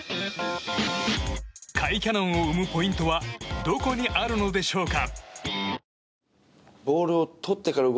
甲斐キャノンを生むポイントはどこにあるのでしょうか。